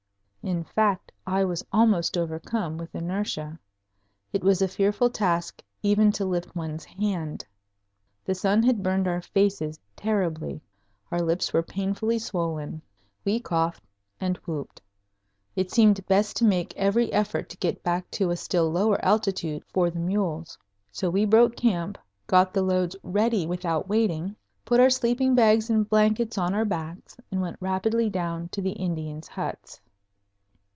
In fact, I was almost overcome with inertia. It was a fearful task even to lift one's hand. The sun had burned our faces terribly. Our lips were painfully swollen. We coughed and whooped. It seemed best to make every effort to get back to a still lower altitude for the mules. So we broke camp, got the loads ready without waiting, put our sleeping bags and blankets on our backs, and went rapidly down to the Indians' huts.